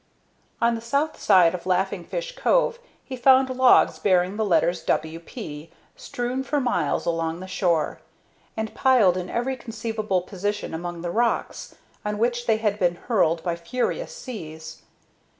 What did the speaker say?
On the south side of Laughing Fish Cove he found logs bearing the letters "W. P." strewn for miles along the shore, and piled in every conceivable position among the rocks, on which they had been hurled by furious seas.